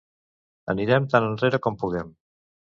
Anirem tan enrere com puguem.